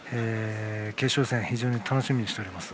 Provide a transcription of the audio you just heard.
決勝戦を非常に楽しみにしています。